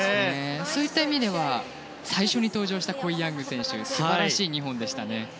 そういった意味では最初に登場したコイ・ヤング選手は素晴らしい２本でしたね。